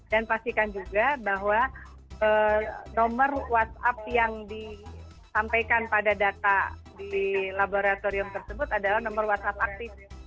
dan pastikan juga bahwa nomor whatsapp yang disampaikan pada data di laboratorium tersebut adalah nomor whatsapp aktif